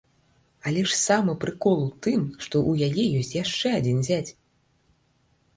Але ж самы прыкол у тым, што ў яе ёсць яшчэ адзін зяць!